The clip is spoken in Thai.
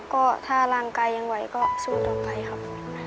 ก็ถ้าร่างกายยังไหวก็สู้ต่อไปครับ